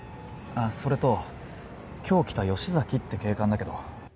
あっそれと今日来た吉崎って警官だけど。